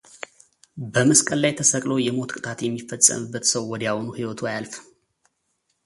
በመስቀል ላይ ተሰቅሎ የሞት ቅጣት የሚፈጸምበት ሰው ወዲያውኑ ሕይወቱ አያልፍም።